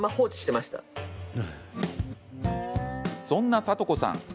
そんなサトコさん。